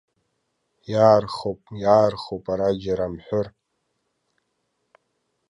Иаархоуп, иаархоуп ара џьара амҳәыр.